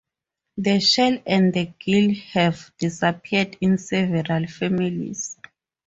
The shell and the gill have disappeared in several families.